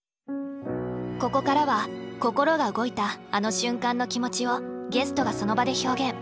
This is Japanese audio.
ここからは心が動いたあの瞬間の気持ちをゲストがその場で表現。